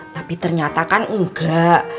tapi ternyata kan enggak